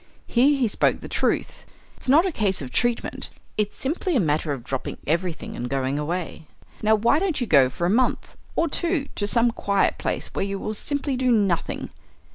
Here he spoke the truth. "It's not a case of treatment. It's simply a matter of dropping everything and going away. Now why don't you go for a month or two to some quiet place, where you will simply _do nothing?